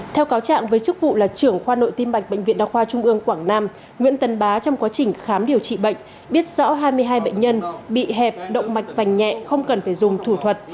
theo cáo chạm với chức vụ là trưởng khoa nội tim mạch bệnh viện đa khoa trung ương quảng nam nguyễn tân bá trong quá trình khám điều trị bệnh biết rõ hai mươi hai bệnh nhân bị hẹp động mạch vành nhẹ không cần phải dùng thủ thuật